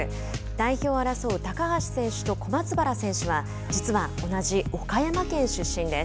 代表を争う高橋選手と小松原選手は実は同じ岡山県出身です。